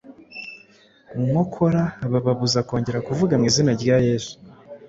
nkokora bababuza kongera kuvuga mu izina rya Yesu,